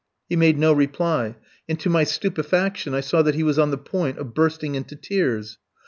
He made no reply, and to my stupefaction I saw that he was on the point of bursting into tears.